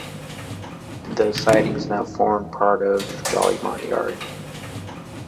The sidings now formed part of Jolimont Yard.